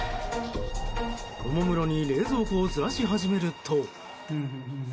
おもむろに冷蔵庫をずらし始めると。